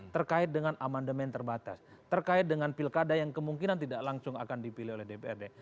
terkait dengan amandemen terbatas terkait dengan pilkada yang kemungkinan tidak langsung akan dipilih oleh dprd